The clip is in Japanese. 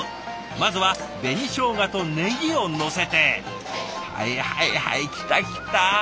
まずは紅ショウガとネギをのせてはいはいはい来た来たヨモギ！